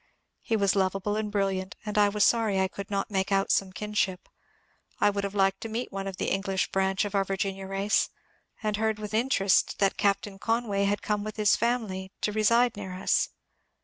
He was lovable and brilliant, and I was sorry I could not make out some kinship. I would have liked to meet one of the English branch of our Virginia race, and heard ynth interest that a Captain Conway had come with his family to reside near us.